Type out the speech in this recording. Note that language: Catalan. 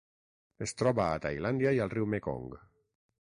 Es troba a Tailàndia i al riu Mekong.